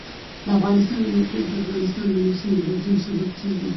د افغانستان د موقعیت د افغانستان د موسم د بدلون سبب کېږي.